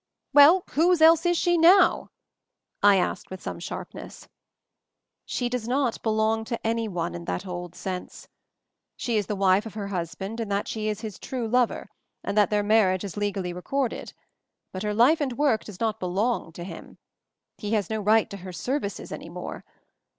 " "Well — whose else is she now?" I asked with some sharpness. "She does not 'belong' to anyone in that old sense. She is the wife of her husband in that she is his true lover, and that their mar MOVING THE MOUNTAIN 103 riage is legally recorded; but her life and work does not belong to him. He has no right to her 'services' any more.